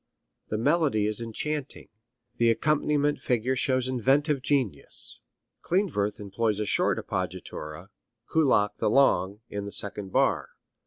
The melody is enchanting. The accompaniment figure shows inventive genius. Klindworth employs a short appoggiatura, Kullak the long, in the second bar.